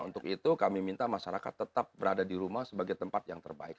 untuk itu kami minta masyarakat tetap berada di rumah sebagai tempat yang terbaik